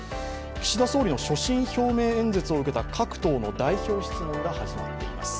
岸田総理の所信表明演説を受けた各党の代表質問が始まっています。